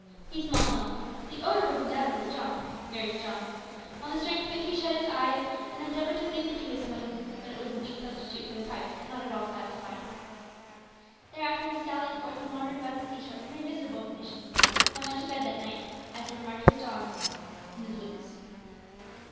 He smelt them. The odour was undoubtedly strong very strong. On the strength of it he shut his eyes, and endeavoured to think that he was smoking; but it was a weak substitute for the pipe, and not at all satisfying. Thereafter he sallied forth and wandered about the sea shore in a miserable condition, and went to bed that night as he remarked to his dog in the blues.